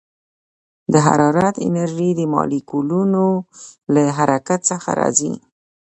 د حرارت انرژي د مالیکولونو له حرکت څخه راځي.